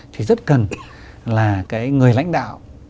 thì rất cần là cái người lãnh đạo